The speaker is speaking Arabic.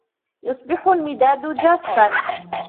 يُصْبِحُ الْمِدَادُ جَافًّا.